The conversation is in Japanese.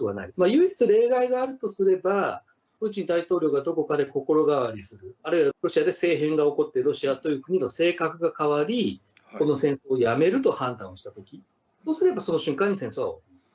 唯一、例外があるとすれば、プーチン大統領がどこかで心変わりする、あるいはロシアで政変が起こって、ロシアという国の性格が変わり、この戦争をやめると判断したとき、そうすればその瞬間に戦争は終わります。